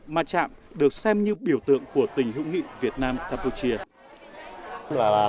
mà trạm được xem như biểu tượng của tình hữu nghị việt nam campuchia